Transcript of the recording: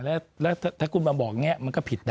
แล้วถ้าคุณมาบอกอย่างนี้มันก็ผิดนะ